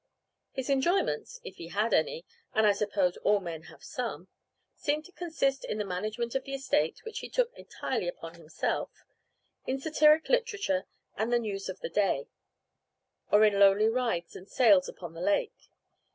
His enjoyments, if he had any and I suppose all men have some seemed to consist in the management of the estate (which he took entirely upon himself), in satiric literature and the news of the day, or in lonely rides and sails upon the lake.